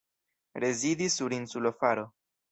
Rezidis sur insulo Faro.